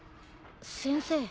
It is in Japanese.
先生。